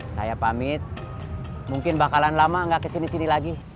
saya pamit mungkin bakalan lama nggak kesini sini lagi